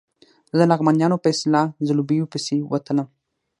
زه د لغمانیانو په اصطلاح ځلوبیو پسې وتلم.